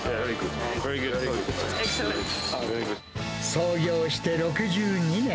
創業して６２年。